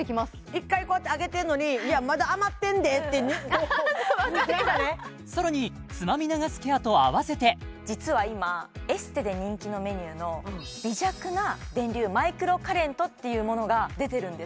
一回こうやって上げてんのにいやまだ余ってんでってなんかねさらにつまみ流すケアと合わせて実は今エステで人気のメニューの微弱な電流マイクロカレントっていうものが出てるんです